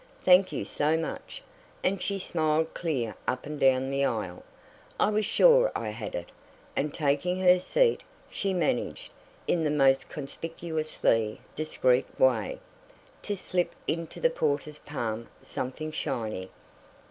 "Thank you so much," and she smiled clear up and down the aisle. "I was sure I had it," and taking her seat, she managed, in the most conspicuously discreet way, to slip into the porter's palm something shiny.